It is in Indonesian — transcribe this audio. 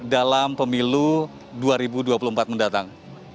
dalam pemilu dua ribu dua puluh empat mendatang